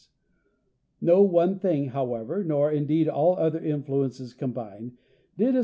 No one thing, however, nor indeed all other influences combined, did as